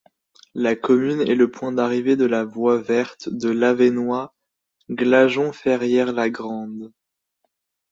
La commune est le point d'arrivée de la Voie verte de l'Avesnois Glageon-Ferrière-la-Grande.